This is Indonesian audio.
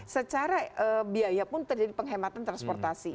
secara biaya pun terjadi penghematan transportasi